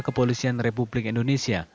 kepolisian republik indonesia